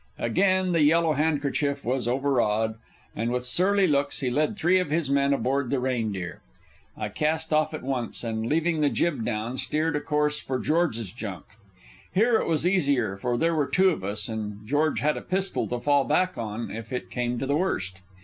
Again the Yellow Handkerchief was overawed, and with surly looks he led three of his men aboard the Reindeer. I cast off at once, and, leaving the jib down, steered a course for George's junk. Here it was easier, for there were two of us, and George had a pistol to fall back on if it came to the worst.